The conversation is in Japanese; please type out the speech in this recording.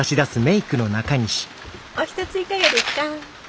お一ついかがですか？